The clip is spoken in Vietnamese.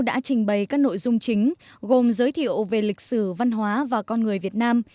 đã trình bày các nội dung chính gồm giới thiệu về lịch sử văn hóa và con người việt nam